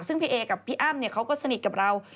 ซึ่งพี่เอกับพี่อ้ำเขาก็สนิทกับเรา